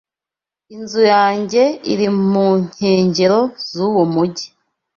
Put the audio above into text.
Inzu yanjye iri mu nkengero z'uwo mujyi.